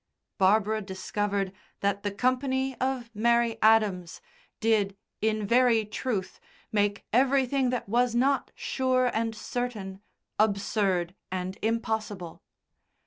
Barbara discovered that the company of Mary Adams did in very truth make everything that was not sure and certain absurd and impossible.